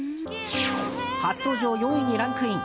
初登場４位にランクイン。